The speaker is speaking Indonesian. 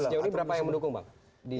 sejauh ini berapa yang mendukung bang